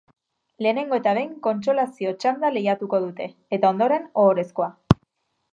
Lehenengo eta behin kontsolazio txanda lehiatuko dute, eta, ondoren, ohorezkoa.